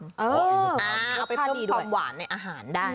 เอาไปเพิ่มความหวานในอาหารได้